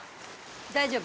大丈夫？